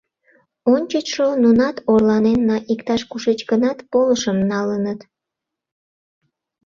Ончычшо нунат орланенна иктаж-кушеч гынат полышым налыныт.